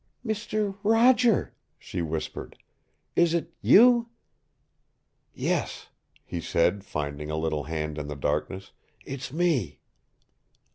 "Mister Roger " she whispered. "Is it YOU?" "Yes," he said, finding a little hand in the darkness. "It's me."